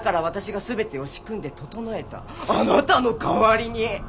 あなたの代わりに。